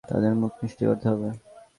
তাদের মুখ মিষ্টি করাতে হবে।